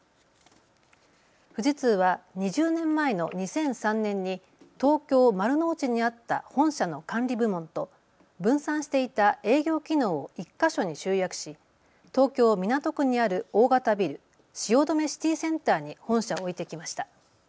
富士通は２０年前の２００３年に東京丸の内にあった本社の管理部門と分散していた営業機能を１か所に集約し東京港区にある大型ビル、汐留シティセンターに本社を置いてきました。